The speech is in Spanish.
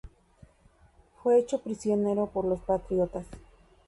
Fue hecho prisionero por los patriotas.